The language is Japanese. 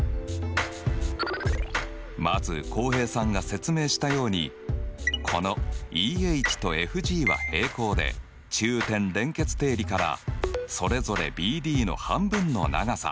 まず浩平さんが説明したようにこのＥＨとＦＧは平行で中点連結定理からそれぞれＢＤの半分の長さ。